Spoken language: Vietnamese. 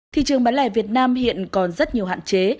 thị trường bán lẻ việt nam hiện còn rất nhiều hạn chế